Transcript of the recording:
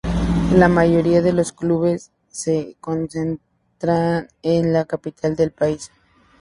La mayoría de los clubes se concentra en la capital del país.